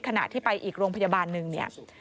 ขณะที่ไปอีกโรงพยาบาลหนึ่งเนี่ย